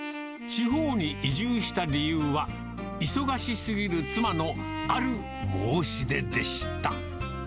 地方に移住した理由は、忙しすぎる妻の、ある申し出でした。